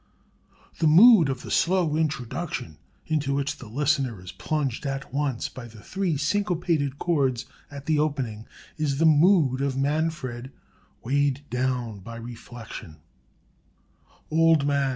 "The mood of the slow introduction, into which the listener is plunged at once by the three syncopated chords at the opening, is the mood of Manfred weighed down by the reflection: "'Old man!